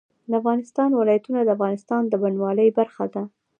د افغانستان ولايتونه د افغانستان د بڼوالۍ برخه ده.